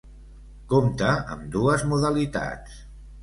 Compta amb dues modalitats: